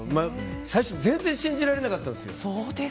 最初全然信じられなかったです。